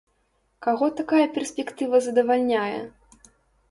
Каго такая перспектыва задавальняе?